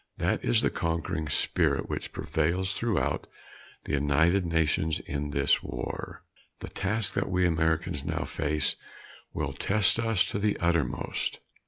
That is the conquering spirit which prevails throughout the United Nations in this war. The task that we Americans now face will test us to the uttermost.